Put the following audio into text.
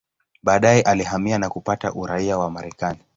Baadaye alihamia na kupata uraia wa Marekani.